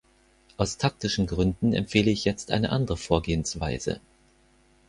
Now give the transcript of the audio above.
Aus taktischen Gründen empfehle ich jetzt eine andere Vorgehensweise.